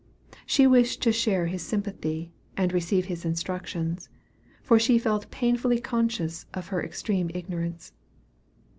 She wished to share his sympathy, and receive his instructions; for she felt painfully conscious of her extreme ignorance.